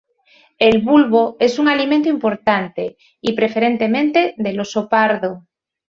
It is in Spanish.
El bulbo es un alimento importante y preferente del oso pardo.